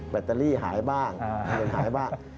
แบตเตอรี่หายบ้างเงินหายบ้าง